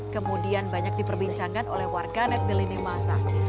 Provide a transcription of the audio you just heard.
kemudian banyak diperbincangkan oleh warganet beli beli masa